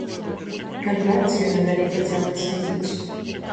І кантракт з ёй надалей працягваць не будуць.